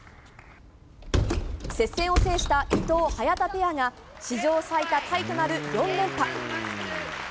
接戦を制した伊藤、早田ペアが史上最多タイとなる４連覇。